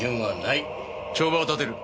帳場を立てる。